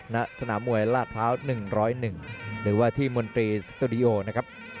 ณสนามมวยลาดพร้าว๑๐๑หรือว่าที่มนตรีสตูดิโอนะครับ